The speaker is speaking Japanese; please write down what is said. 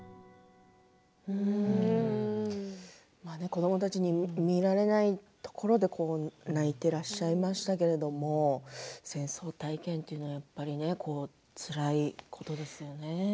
子どもたちに見られないところで泣いていらっしゃいましたけれど戦争体験というのは、やっぱりねつらいことですよね。